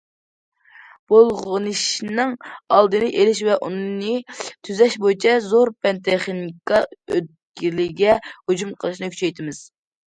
بۇلغىنىشنىڭ ئالدىنى ئېلىش ۋە ئۇنى تۈزەش بويىچە زور پەن- تېخنىكا ئۆتكىلىگە ھۇجۇم قىلىشنى كۈچەيتىمىز.